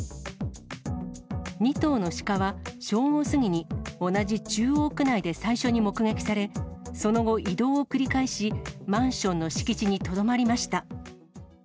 ２頭のシカは正午過ぎに、同じ中央区内で最初に目撃され、その後、移動を繰り返し、マンションの敷地にとどまりました。